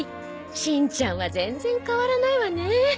しんちゃんは全然変わらないわね。